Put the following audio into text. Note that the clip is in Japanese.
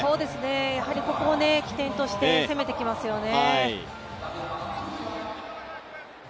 やはりここを起点として攻めてきますよね。